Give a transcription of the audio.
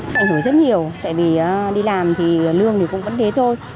phải hồi rất nhiều tại vì đi làm thì lương thì cũng vẫn thế thôi